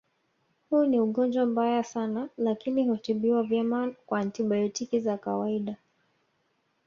Huu ni ugonjwa mbaya sana lakini hutibiwa vyema kwa antibayotiki za kawaida